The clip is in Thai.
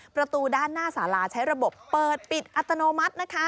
ประตูด้านหน้าสาราใช้ระบบเปิดปิดอัตโนมัตินะคะ